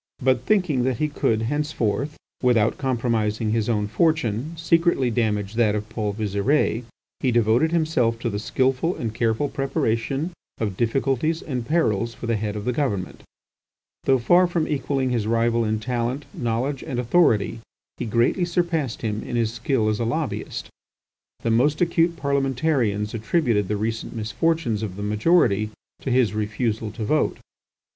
But thinking that he could henceforth, without compromising his own fortune, secretly damage that of Paul Visire, he devoted himself to the skilful and careful preparation of difficulties and perils for the Head of the Government. Though far from equalling his rival in talent, knowledge, and authority, he greatly surpassed him in his skill as a lobbyist. The most acute parliamentarians attributed the recent misfortunes of the majority to his refusal to vote.